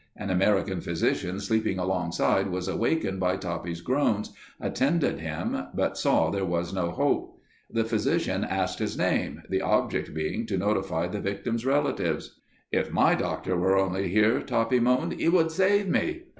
An American physician sleeping alongside was awakened by Toppy's groans, attended him, but saw there was no hope. The physician asked his name, the object being to notify the victim's relatives. "If my doctor were only here," Toppy moaned, "he could save me."